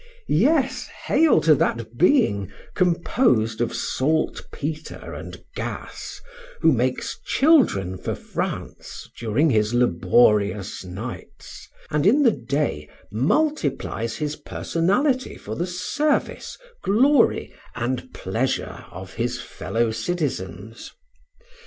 Yes, hail to that being, composed of saltpetre and gas, who makes children for France during his laborious nights, and in the day multiplies his personality for the service, glory, and pleasure of his fellow citizens.